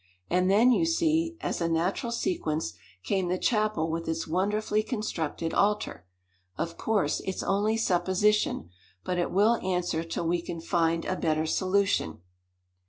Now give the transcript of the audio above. And then, you see, as a natural sequence, came the chapel with its wonderfully constructed altar. Of course, it's only supposition; but it will answer till we can find a better solution."